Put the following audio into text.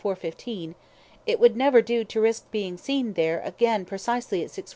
15, it would never do to risk being seen there again precisely at 6.45.